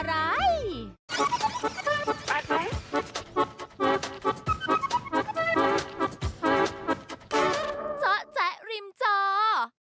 เจ้าแจ๊กริมเจ้า